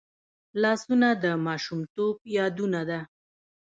لاسونه د ماشومتوب یادونه ده